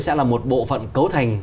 sẽ là một bộ phận cấu thành